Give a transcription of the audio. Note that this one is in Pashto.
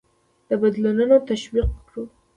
د بدلونونه تشویق کړو.